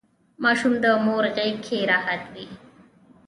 ماشوم د مور غیږکې راحت وي.